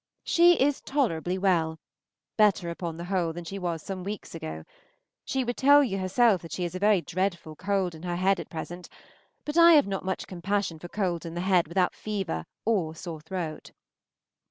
She is tolerably well, better upon the whole than she was some weeks ago. She would tell you herself that she has a very dreadful cold in her head at present; but I have not much compassion for colds in the head without fever or sore throat.